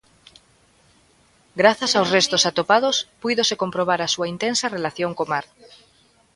Grazas aos restos atopados púidose comprobar a súa intensa relación co mar.